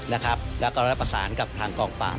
แล้วก็ได้ประสานกับทางกองปราบ